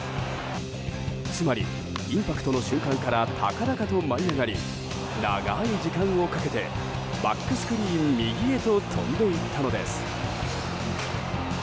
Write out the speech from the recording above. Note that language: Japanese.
つまりインパクトの瞬間から高々と舞い上がり長い時間をかけてバックスクリーン右へと飛んで行ったのです。